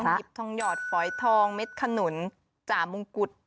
หยิบทองหยอดฝอยทองเม็ดขนุนจ่ามงกุฎ